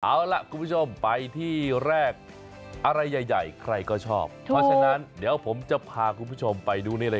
เอาล่ะคุณผู้ชมไปที่แรกอะไรใหญ่ใครก็ชอบเพราะฉะนั้นเดี๋ยวผมจะพาคุณผู้ชมไปดูนี่เลย